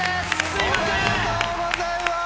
おめでとうございます！